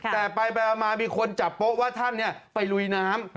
แต่ไปมามีคนจับโป๊ะว่าท่านไปลุยน้ำ